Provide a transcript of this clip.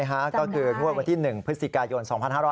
ก็คืองวดวันที่๑พฤศจิกายน๒๕๖๐